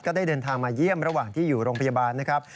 ได้เดินทางมาเยี่ยมระหว่างที่อยู่โรงพยาบาลนะครับ